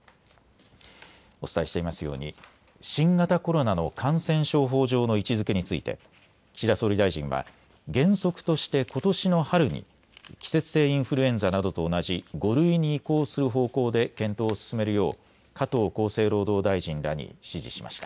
お伝えしていますように新型コロナの感染症法上の位置づけについて岸田総理大臣は原則として、ことしの春に季節性インフルエンザなどと同じ５類に移行する方向で検討を進めるよう加藤厚生労働大臣らに指示しました。